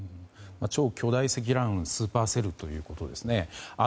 超巨大積乱雲スーパーセルということですね。